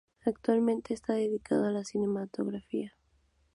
Actualmente está dedicado a la cinematografía.